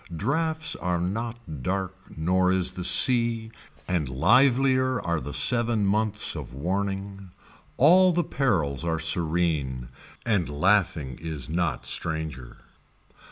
Drafts are not dark nor is the sea and livelier are the seven months of warning. All the perils are serene, and laughing is not stranger.